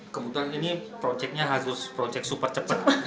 kebetulan ini proyeknya harus proyek super cepat